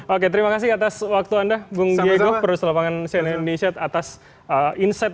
oke terima kasih atas waktu anda bung diego produser lapangan cnn indonesia atas insight